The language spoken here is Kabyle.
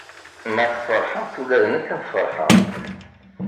Ma tfeṛḥemt, ula d nekk ad ferḥeɣ.